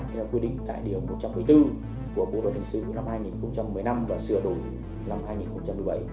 theo quy định tại điều một trăm một mươi bốn của bộ đội thành sứ năm hai nghìn một mươi năm và sửa đổi năm hai nghìn một mươi bảy